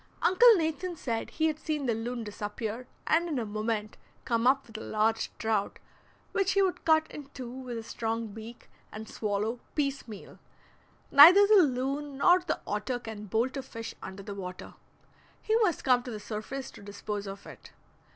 Uncle Nathan said he had seen the loon disappear and in a moment come up with a large trout, which he would cut in two with his strong beak, and swallow piecemeal. Neither the loon nor the otter can bolt a fish under the water; he must come to the surface to dispose of it.